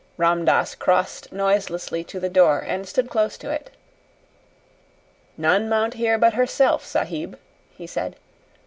Ram Dass crossed noiselessly to the door and stood close to it. "None mount here but herself, Sahib," he said.